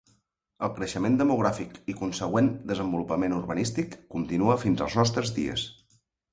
El creixement demogràfic i consegüent desenvolupament urbanístic continua fins als nostres dies.